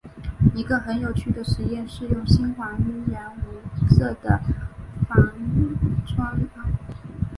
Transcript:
一个很有趣的试验是用锌来还原无色的钒酸铵。